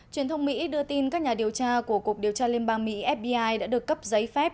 truyền thông mỹ đưa tin các nhà điều tra của cục điều tra liên bang mỹ fbi đã được cấp giấy phép